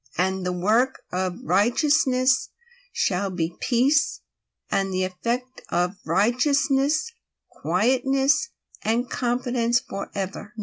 032:017 The work of righteousness will be peace; and the effect of righteousness, quietness and confidence forever.